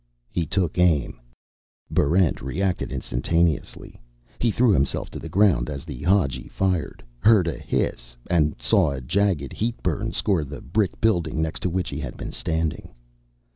He took aim. Barrent reacted instantaneously. He threw himself to the ground as the Hadji fired, heard a hiss, and saw a jagged heatburn score the brick building next to which he had been standing.